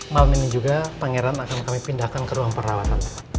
malam ini juga pangeran akan kami pindahkan ke ruang perawatan